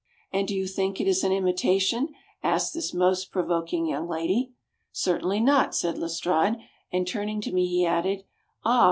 "And do you think it is an imitation?" asked this most provoking young lady. "Certainly not," said Lestrade, and turning to me he added: "Ah!